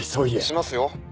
しますよ。